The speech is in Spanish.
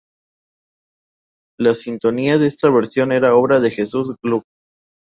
La sintonía en esta versión era obra de Jesús Gluck.